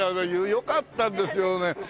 よかったんですけどね。